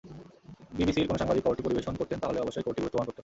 বিবিসির কোনো সাংবাদিক খবরটি পরিবেশন করতেন, তাহলে অবশ্যই খবরটি গুরুত্ব বহন করত।